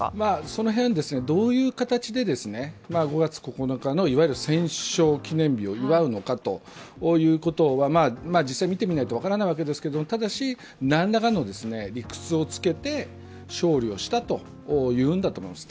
その辺はどういう形で５月９日のいわゆる戦勝記念日を祝うのかということは実際、見てみないと分からないわけですけれども何らかの理屈をつけて勝利をしたというんだと思います。